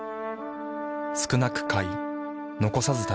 少なく買い残さず食べる。